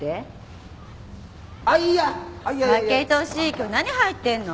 今日何入ってんの？